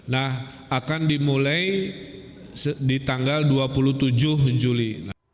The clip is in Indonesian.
nah akan dimulai di tanggal dua puluh tujuh juli